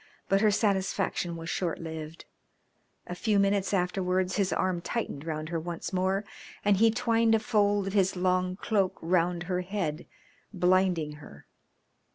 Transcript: But her satisfaction was short lived. A few minutes afterwards his arm tightened round her once more and he twined a fold of his long cloak round her head, blinding her.